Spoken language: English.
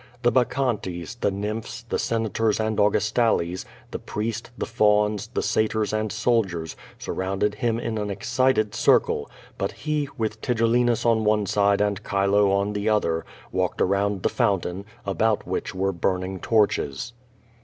The bacchantes, the nymphs, the Senators and Augustales, the priest, the fauns, the satyrs and soldiers, surrounded him in an excited circle; but he, with Tigellinus on one side and Chilo on the other, walked around the fountain, about which were burning torches.